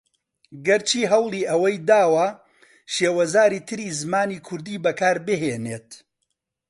گەر چی ھەوڵی ئەوەی داوە شێوەزاری تری زمانی کوردی بەکاربھێنێت